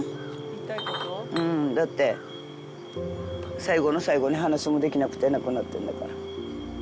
うんだって最後の最後に話もできなくて亡くなってんだから。